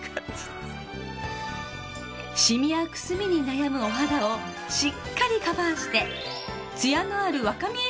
シミやくすみに悩むお肌をしっかりカバーしてツヤのある若見え